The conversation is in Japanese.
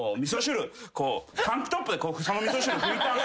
タンクトップでその味噌汁拭いたんですよ。